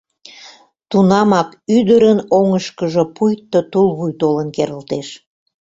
Тунамак ӱдырын оҥышкыжо пуйто тулвуй толын керылтеш.